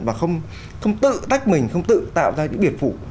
và không tự tách mình không tự tạo ra những biệt phủ